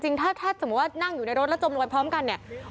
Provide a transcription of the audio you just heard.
แค่สมมุติว่านั่งอยู่ในรถแล้วจมลงไปพร้อมกันเนี่ย